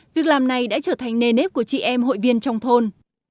việc làm này đã trở thành nề nếp của chị em hội viên trong thôn